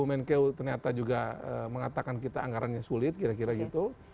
menkeu ternyata juga mengatakan kita anggarannya sulit kira kira gitu